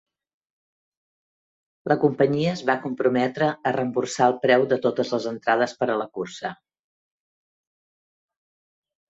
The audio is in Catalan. La companyia es va comprometre a reemborsar el preu de totes les entrades per a la cursa.